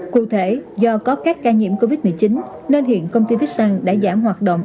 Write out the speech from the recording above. cụ thể do có các ca nhiễm covid một mươi chín nên hiện công ty vicksan đã giảm hoạt động